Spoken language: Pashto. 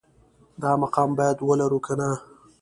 دا مقام باید ولرو که نه